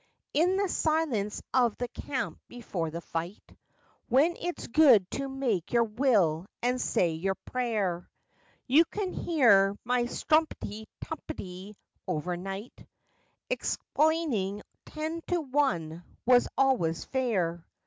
In the silence of the camp before the fight, When it's good to make your will and say your prayer, You can hear my strumpty tumpty overnight Explaining ten to one was always fair.